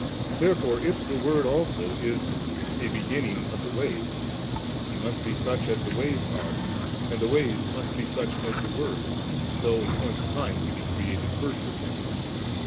There fore if the Word also is *a beginning of the ways,' He must be such as the ways are, and the ways must be sudi as the Word, though in point of time He be created first of them.